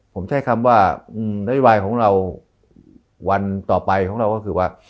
ผมใช้คำว่านโยบายของเราวันต่อไปของเราก็คือว่า